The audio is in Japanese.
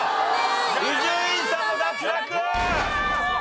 伊集院さんも脱落！